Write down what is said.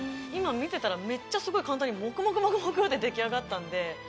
今見てたらめっちゃすごい簡単にモクモクモクって出来上がったんで。